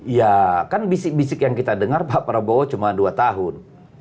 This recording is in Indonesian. ya kan bisik bisik yang kita dengar pak prabowo cuma dua tahun